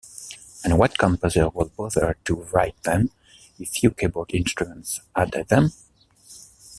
And what composer would bother to write them if few keyboard instruments had them?